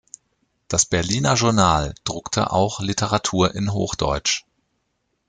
Das Berliner Journal druckte auch Literatur in Hochdeutsch.